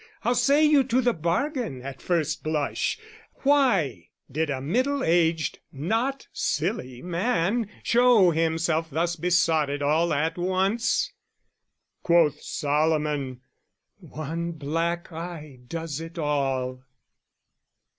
How say you to the bargain at first blush? Why did a middle aged not silly man Show himself thus besotted all at once? Quoth Solomon, one black eye does it all.